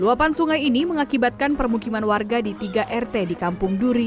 luapan sungai ini mengakibatkan permukiman warga di tiga rt di kampung duri